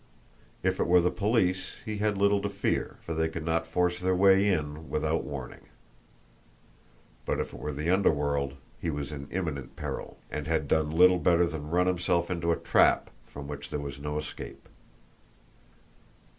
If it were the police, he had little to fear, for they could not force their way in without warning; but if it were the underworld, he was in imminent peril, and had done little better than run himself into a trap from which there was no escape.